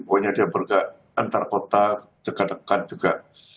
pokoknya dia bergerak antar kota dekat dekat juga